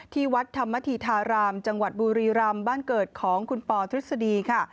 ที่วัดธรรมธีธารามจังหวัดบุรีรำบ้านเกิดของคุณปอทฤษฎีค่ะ